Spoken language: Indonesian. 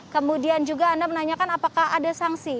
kemudian juga anda menanyakan apakah ada sanksi